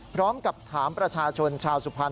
พร้อมกับถามประชาชนชาวสุพรรณ